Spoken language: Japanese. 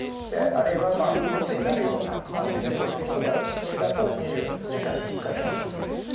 あるいは密になるようなイベントする人たちだと２４時間に１回検査をすると。